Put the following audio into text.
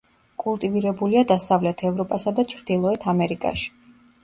კულტივირებულია დასავლეთ ევროპასა და ჩრდილოეთ ამერიკაში.